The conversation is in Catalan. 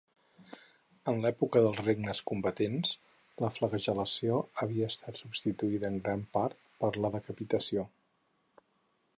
A l'època dels Regnes Combatents, la flagel·lació havia estat substituïda en gran part per la decapitació.